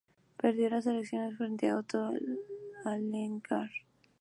Perdió las elecciones frente a Otto Alencar.